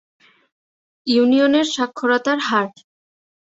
ইউনিয়নের সাক্ষরতার হার।